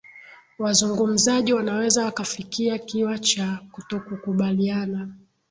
wazungumzaji wanaweza wakafikia kiwa cha kutokukubaliana